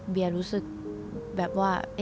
เบียร์รู้สึกแบบว่า